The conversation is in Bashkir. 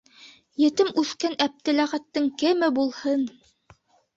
Етем үҫкән Әптеләхәттең кеме булһын?